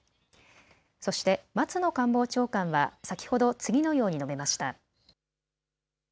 そして松野官房長官は先ほど次のように述べました。